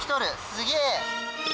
すげえ。